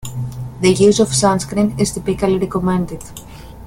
The use of sunscreen is typically recommended.